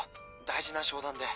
大事な商談で。